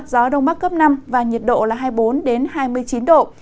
gió đông bắc cấp năm và nhiệt độ là hai mươi bốn hai mươi chín độ